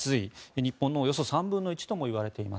日本のおよそ３分の１ともいわれています。